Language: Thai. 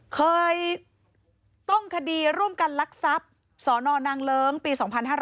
เคยต้องคดีร่วมกันลักทรัพย์สนนางเลิ้งปี๒๕๕๙